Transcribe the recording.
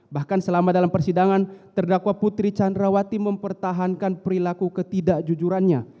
bahkan selama dalam persidangan terdakwa putri candrawati mempertahankan perilaku ketidakjujurannya